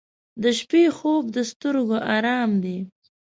• د شپې خوب د سترګو آرام دی.